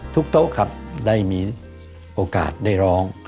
โต๊ะครับได้มีโอกาสได้ร้อง